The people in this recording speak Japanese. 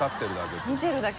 見てるだけ。